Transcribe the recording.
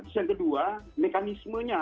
terus yang kedua mekanismenya